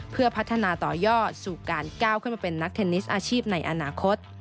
เพื่อพัฒนาต่อยอดสู่การก้าวขึ้นมาเป็นนักเทนนิสอาชีพในอนาคต